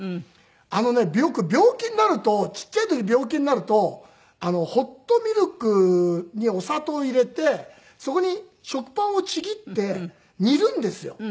あのねよく病気になるとちっちゃい時病気になるとホットミルクにお砂糖を入れてそこに食パンをちぎって煮るんですよ。